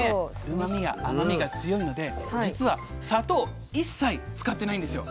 うまみが甘みが強いので実は砂糖一切使ってないんですよ。